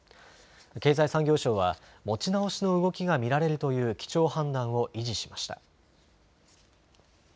経済産業省は持ち直しの動きが見られるという基調判断を維持しました。